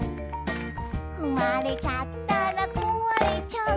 「ふまれちゃったらこわれちゃう」